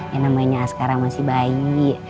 yang namanya sekarang masih bayi